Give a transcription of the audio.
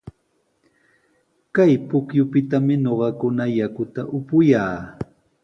Kay pukyupitami ñuqakuna yakuta upuyaa.